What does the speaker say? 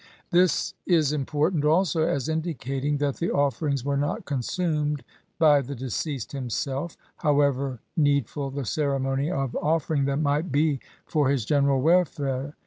This is im portant also as indicating that the offerings were not consumed by the deceased himself, however needful the ceremony of offering them might be for his gen eral welfare.